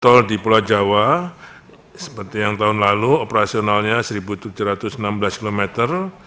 tol di pulau jawa seperti yang tahun lalu operasionalnya satu tujuh ratus enam belas kilometer